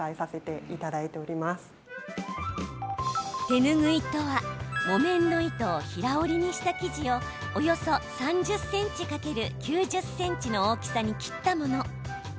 手ぬぐいとは木綿の糸を平織りにした生地をおよそ３０ｃｍ×９０ｃｍの大きさに切ったもの。